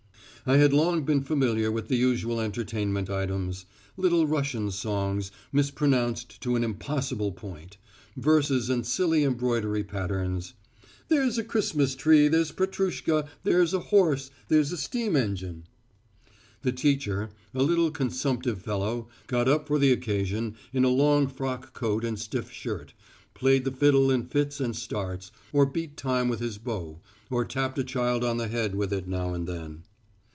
I had long been familiar with the usual entertainment items: Little Russian songs mispronounced to an impossible point; verses and silly embroidery patterns: "There's a Christmas tree, there's Petrushka, there's a horse, there's a steam engine." The teacher, a little consumptive fellow, got up for the occasion in a long frock coat and stiff shirt, played the fiddle in fits and starts, or beat time with his bow, or tapped a child on the head with it now and then.